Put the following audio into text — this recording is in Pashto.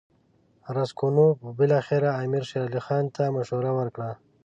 راسګونوف بالاخره امیر شېر علي خان ته مشوره ورکړه.